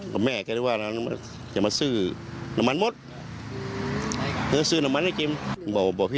กับแม่ก็เลยว่าจะมาซื้อน้ำมันมดซื้อน้ำมันให้กินบอกพี่